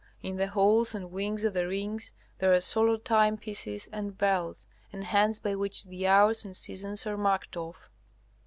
In the halls and wings of the rings there are solar time pieces and bells, and hands by which the hours and seasons are marked off.